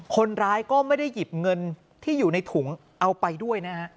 คนร้ายก็ไม่ได้หยิบเงินที่อยู่ในถุงเอาไปด้วยนะฮะ